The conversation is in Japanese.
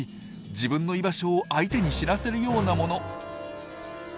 自分の居場所を相手に知らせるようなもの。